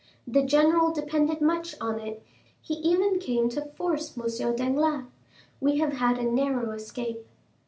The general depended much on it; he even came to force M. Danglars. We have had a narrow escape."